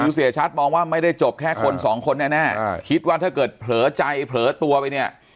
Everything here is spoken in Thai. คือเสียชัดมองว่าไม่ได้จบแค่คนสองคนแน่คิดว่าถ้าเกิดเผลอใจเผลอตัวไปเนี่ย